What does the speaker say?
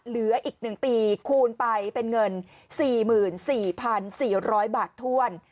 เหลืออีกหนึ่งปีคูณไปเป็นเงินสี่หมื่นสี่พันสี่ร้อยบาทถ้วน